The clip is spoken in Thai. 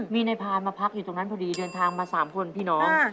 มีนายพานมาพักอยู่ตรงนั้นพอดีเดินทางมา๓คนพี่น้อง